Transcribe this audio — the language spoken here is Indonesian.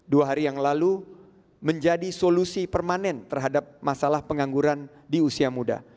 dua hari yang lalu menjadi solusi permanen terhadap masalah pengangguran di usia muda